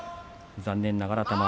残念ながら玉鷲